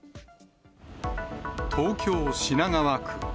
東京・品川区。